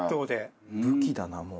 武器だなもう。